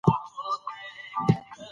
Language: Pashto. زما په مینه زوی له پلار څخه بیلیږي